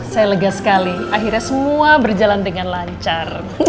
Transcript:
saya lega sekali akhirnya semua berjalan dengan lancar